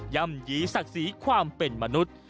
ยำยีศักดีสสีความเป็นมนุษย์